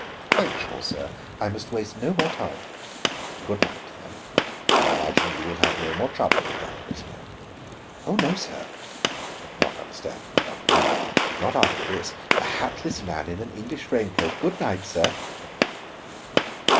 "Quite sure, sir. I must waste no more time." "Good night, then. I imagine you will have no more trouble with that prisoner." "Oh, no, sir," not understanding the double meaning. "Not after this. A hatless man in an English rain coat! Good night, sir."